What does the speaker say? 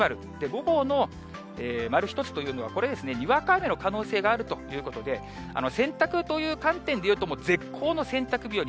午後の丸１つというのは、これ、にわか雨の可能性があるということで、洗濯という観点で言うと、もう絶好の洗濯日和。